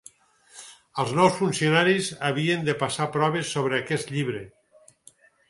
Els nous funcionaris havien de passar proves sobre aquest llibre.